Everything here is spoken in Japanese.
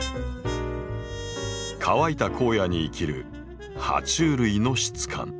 乾いた荒野に生きるは虫類の質感。